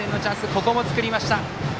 ここも作りました。